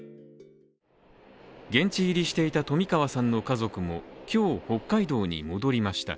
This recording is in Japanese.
現地入りしていた冨川さんの家族も今日、北海道に戻りました。